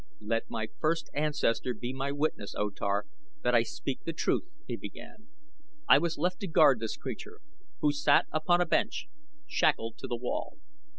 "Let my first ancestor be my witness, O Tar, that I speak the truth," he began. "I was left to guard this creature, who sat upon a bench, shackled to the wall.